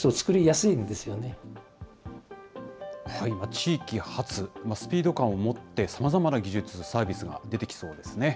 地域発、スピード感を持ってさまざまな技術、サービスが出てきそうですね。